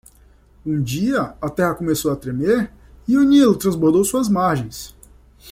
Um dia? a terra começou a tremer? e o Nilo transbordou suas margens.